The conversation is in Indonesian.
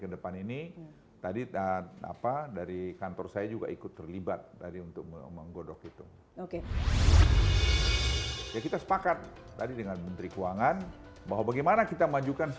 dan itu sekaligus kita melakukan